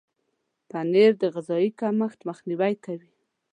پنېر د غذایي کمښت مخنیوی کوي.